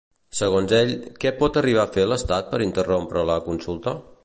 Segons ell, què pot arribar a fer l'estat per interrompre la consulta?